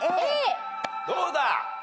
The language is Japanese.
どうだ？